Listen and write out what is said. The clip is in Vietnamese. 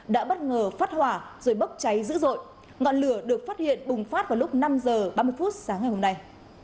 đã bất ngờ phát hỏa rồi bốc cháy dữ dội ngọn lửa được phát hiện bùng phát vào lúc năm h ba mươi phút sáng ngày hôm nay